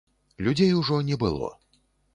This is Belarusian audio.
Людзей ужо не было.